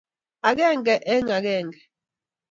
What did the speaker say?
akenge eng ekenge